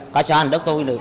họa sản đất tôi